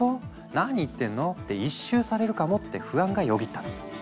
何言ってんの？」って一蹴されるかもって不安がよぎったの。